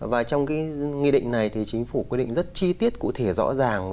và trong cái nghị định này thì chính phủ quy định rất chi tiết cụ thể rõ ràng